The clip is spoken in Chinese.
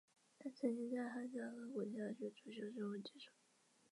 电动牙刷是牙刷的一种。